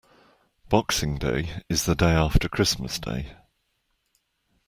Boxing Day is the day after Christmas Day.